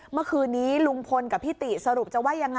เมื่อคืนนี้ลุงพลกับพี่ติสรุปจะว่ายังไง